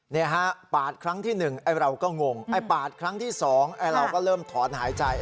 นี่ฮะปาดครั้งที่๑เราก็งงไอ้ปาดครั้งที่๒เราก็เริ่มถอนหายใจ